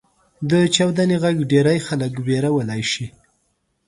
• د چاودنې ږغ ډېری خلک وېرولی شي.